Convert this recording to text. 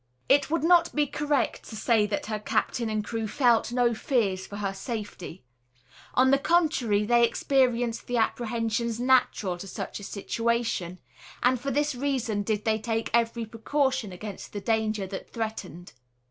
It would not be correct to say that her captain and crew felt no fears for her safety. On the contrary, they experienced the apprehensions natural to such a situation; and for this reason did they take every precaution against the danger that threatened.